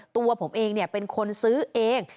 ตัวผมเองเป็นคนซื้อเอง